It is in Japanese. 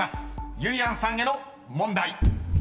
ゆりやんさんへの問題］